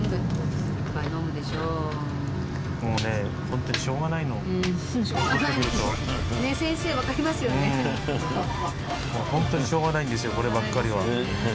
ホントにしょうがないんですよこればっかりは。